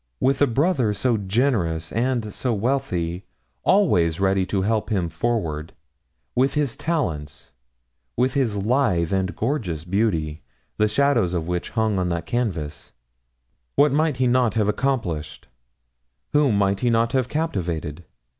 With a brother so generous and so wealthy, always ready to help him forward; with his talents; with his lithe and gorgeous beauty, the shadow of which hung on that canvas what might he not have accomplished? whom might he not have captivated?